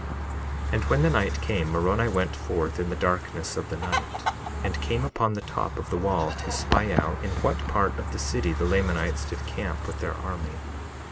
62:20 And when the night came, Moroni went forth in the darkness of the night, and came upon the top of the wall to spy out in what part of the city the Lamanites did camp with their army.